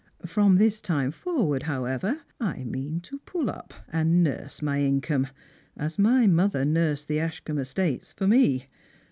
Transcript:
From this time forward, however, I mean to pull up, and nurse my income, as my mother nursed the Ash combe estates for me.